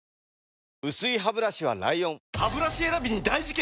薄いハブラシは ＬＩＯＮハブラシ選びに大事件！